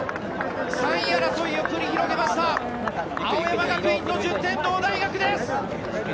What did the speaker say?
３位争いを繰り広げました青山学院と順天堂大学です。